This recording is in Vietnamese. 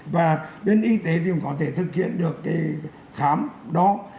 và bên y tế thì cũng có thể thực hiện được cái khám đo